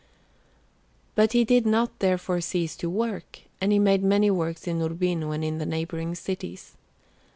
But he did not therefore cease to work, and he made many works in Urbino and in the neighbouring cities.